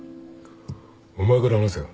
お前から話せよ。